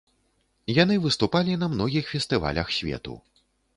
Яны выступалі на многіх фестывалях свету.